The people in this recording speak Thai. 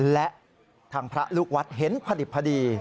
และทางพระลูกวัดเห็นผลิตภดี